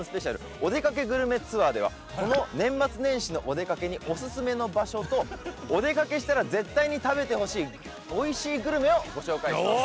おでかけグルメツアー！ではこの年末年始のお出掛けにおすすめの場所とお出掛けしたら絶対に食べてほしいおいしいグルメをご紹介します。